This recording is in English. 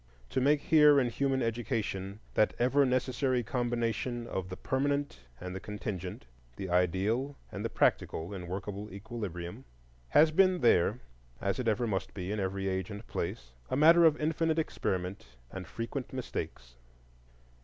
To make here in human education that ever necessary combination of the permanent and the contingent—of the ideal and the practical in workable equilibrium—has been there, as it ever must be in every age and place, a matter of infinite experiment and frequent mistakes.